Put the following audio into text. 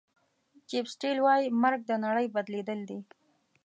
چیف سیټل وایي مرګ د نړۍ بدلېدل دي.